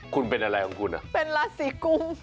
คุณเป็นอะไรของคุณอ่ะเป็นราศีกุม